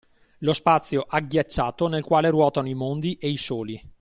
Lo spazio agghiacciato nel quale ruotano i mondi e i soli